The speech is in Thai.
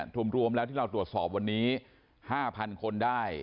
รวมแล้วที่เราตรวจสอบวันนี้๕๐๐๐คนได้